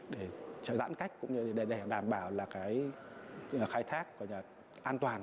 để giãn cách đảm bảo khai thác an toàn